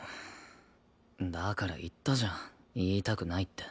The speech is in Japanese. だから言ったじゃん言いたくないって。